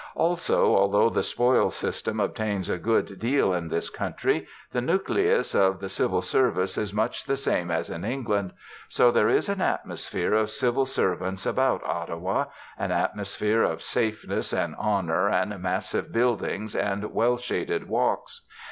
Also, although the 'spoils' system obtains a good deal in this country, the nucleus of the Civil Service is much the same as in England; so there is an atmosphere of Civil Servants about Ottawa, an atmosphere of safeness and honour and massive buildings and well shaded walks.